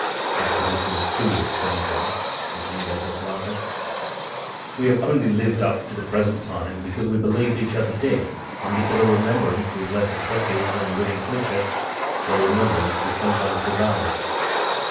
Our position is truly a strange one," continued Athos, laughing. "We have only lived up to the present time because we believed each other dead, and because a remembrance is less oppressive than a living creature, though a remembrance is sometimes devouring."